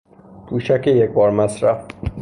پوشک یکبار مصرف